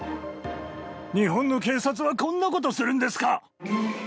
日本の警察はこんなことするんですか！